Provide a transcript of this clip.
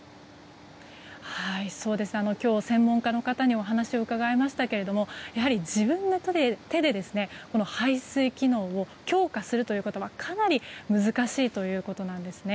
今日、専門家の方にお話を伺いましたけどもやはり自分の手で排水機能を強化するということはかなり難しいということなんですね。